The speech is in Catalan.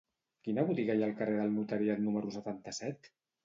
Quina botiga hi ha al carrer del Notariat número setanta-set?